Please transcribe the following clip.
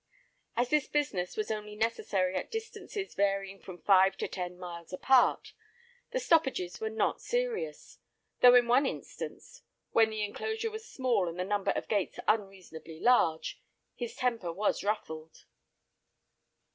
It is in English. As this business was only necessary at distances varying from five to ten miles apart, the stoppages were not serious; though in one instance, where the enclosure was small and the number of gates unreasonably large, his temper was ruffled.